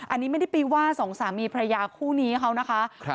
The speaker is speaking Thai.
อันนี้ไม่ได้ไปว่าสองสามีพระยาคู่นี้เขานะคะ